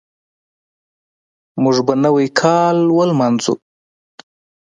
موږ به نوی کال ولمانځو.